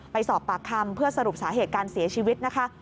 ไปสอบปากคำเพื่อสรุปสาเหตุการเสียชีวิตนะคะ